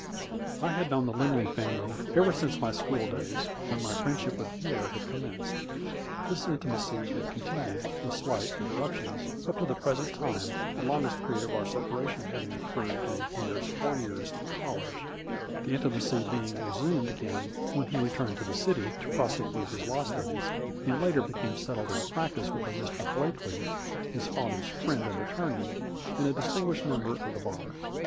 I had known the Lindley family ever since my school days, when my friendship with Pierre had commenced. This intimacy had continued, with slight interruptions, up to the present time, the longest period of our separation having oc curred during Pierre's four years at college, the intimacy being resumed again when he returned to the city to prosecute his law studies, and later became settled in practice with a Mr. Blakely his father's friend and attorney, and a distinguished member of the bar.